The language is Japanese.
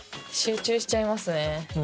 集中しちゃいますね。